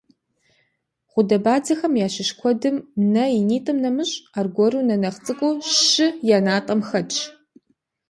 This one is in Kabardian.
Гъудэбадзэхэм ящыщ куэдым, нэ инитӏым нэмыщӏ, аргуэру нэ нэхъ цӏыкӏуу щы я натӏэм хэтщ.